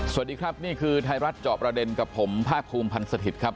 สวัสดีครับนี่คือไทยรัฐเจาะประเด็นกับผมภาคภูมิพันธ์สถิตย์ครับ